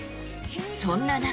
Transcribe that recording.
そんな中。